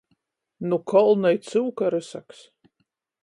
Nu kolna i cyuka rysaks!